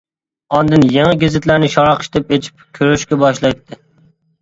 ئاندىن يېڭى گېزىتلەرنى شاراقشىتىپ ئېچىپ كۆرۈشكە باشلايتتى.